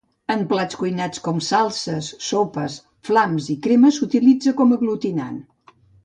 En plats cuinats com salses, sopes, flams i cremes s'utilitza com aglutinant.